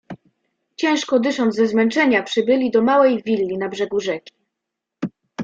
"Ciężko dysząc ze zmęczenia przybyli do małej willi na brzegu rzeki."